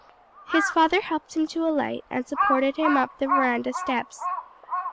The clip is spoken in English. His father helped him to alight, and supported him up the veranda steps.